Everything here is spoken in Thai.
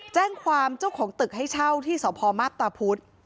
แจ้งความเจ้าของตึกให้เช่าที่สพมาพตาพุธ